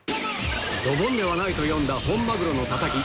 ドボンではないと読んだ本マグロのたたき